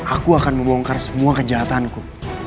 aku akan membongkar semua kejahatanku